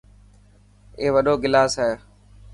اي وڏو گلاس هي.